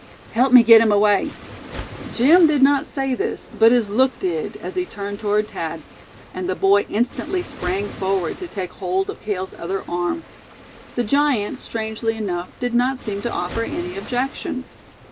"Help me get him away!" Jim did not say this, but his look did, as he turned toward Thad; and the boy instantly sprang forward to take hold of Cale's other arm. The giant, strangely enough, did not seem to offer any objection.